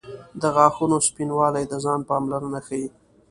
• د غاښونو سپینوالی د ځان پاملرنه ښيي.